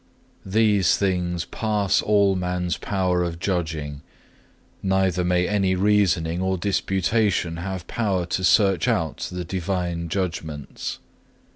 These things pass all man's power of judging, neither may any reasoning or disputation have power to search out the divine judgments.